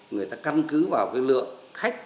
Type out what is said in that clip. người ta căn cứ vào cái lượng